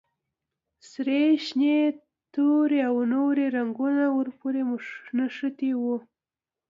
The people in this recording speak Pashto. سرې، شنې، تورې او نورې رنګونه ور پورې نښتي وو.